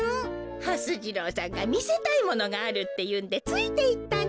はす次郎さんがみせたいものがあるっていうんでついていったの。